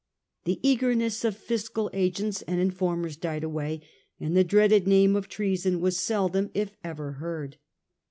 The eagerness of fiscal agents and informers died away, and the dreaded name of treason was seldom, if ever, heard.